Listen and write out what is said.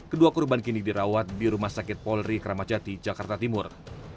kedua korban kini dirawat di rumah sakit polri kramacati jakarta timur